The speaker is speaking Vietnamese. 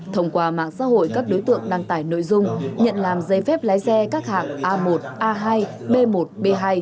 thông qua mạng xã hội các đối tượng đăng tải nội dung nhận làm giấy phép lái xe các hạng a một a hai b một b hai